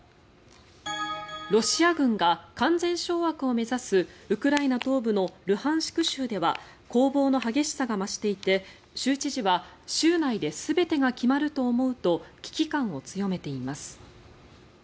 ロシア軍が完全掌握を目指すウクライナ東部のルハンシク州では攻防の激しさが増していて州知事は週内で全てが決まると思うと危機感を強めています。